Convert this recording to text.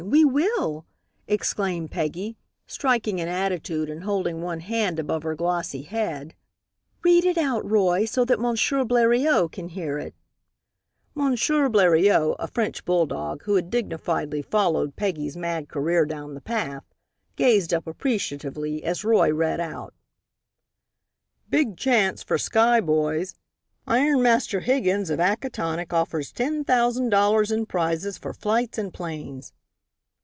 We will!" exclaimed Peggy, striking an attitude and holding one hand above her glossy head. "Read it out, Roy, so that Monsieur Bleriot can hear it." M. Bleriot, a French bull dog, who had dignifiedly followed Peggy's mad career down the path, gazed up appreciatively, as Roy read out: "Big Chance for Sky Boys! "Ironmaster Higgins of Acatonick Offers Ten Thousand Dollars In Prizes for Flights and Planes."